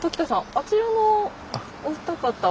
あちらのお二方は？